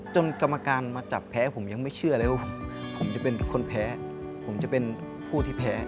กรรมการมาจับแพ้ผมยังไม่เชื่อเลยว่าผมจะเป็นคนแพ้ผมจะเป็นผู้ที่แพ้